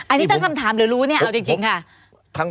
อันนี้ตั้งคำถามหรือรู้เนี่ยเอาจริงค่ะ